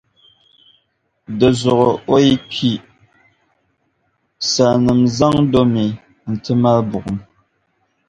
Dinzuɣu o yi kpi, salinim' zaŋdi o mi n-ti mali buɣum.